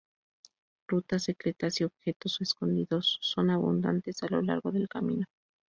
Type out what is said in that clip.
Rutas secretas y objetos escondidos son abundantes a lo largo del camino.